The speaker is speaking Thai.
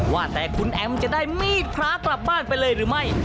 ว่าแต่คุณแอมจะได้มีดพระกลับบ้านไปเลยหรือไม่